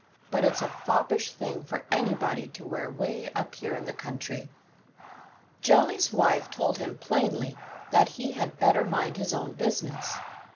But it's a foppish thing for anybody to wear way up here in the country." Jolly's wife told him plainly that he had better mind his own business.